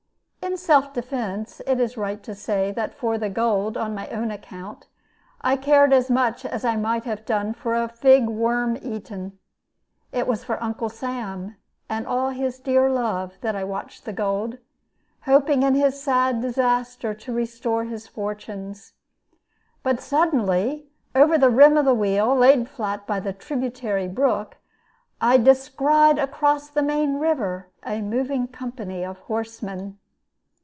In self defense it is right to say that for the gold, on my own account, I cared as much as I might have done for a fig worm eaten. It was for Uncle Sam, and all his dear love, that I watched the gold, hoping in his sad disaster to restore his fortunes. But suddenly over the rim of the wheel (laid flat in the tributary brook) I descried across the main river a moving company of horsemen.